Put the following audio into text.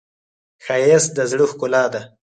ښایست د زړه ښکلا ده